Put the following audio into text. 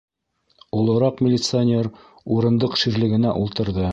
Олораҡ милиционер урындыҡ ширлегенә ултырҙы.